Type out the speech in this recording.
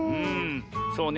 そうね。